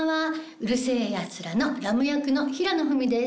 『うる星やつら』のラム役の平野文です。